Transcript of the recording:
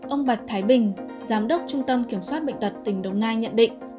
ông bạch thái bình giám đốc trung tâm kiểm soát bệnh tật tỉnh đồng nai nhận định